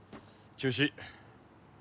中止？